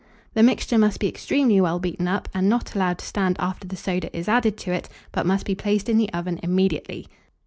The mixture must be extremely well beaten up, and not allowed to stand after the soda is added to it, but must be placed in the oven immediately.